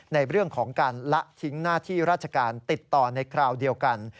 ในเรื่องของการละทิ้งหน้าที่ราชการติดต่อในคราวเดียวกัน